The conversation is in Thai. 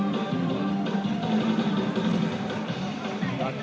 ตรงตรงตรง